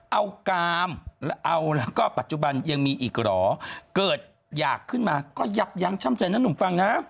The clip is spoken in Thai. เอากามแล้วเอาแล้วก็ปัจจุบันยังมีอีกเหรอเกิดอยากขึ้นมาก็ยับยั้งช่ำใจนะหนุ่มฟังนะ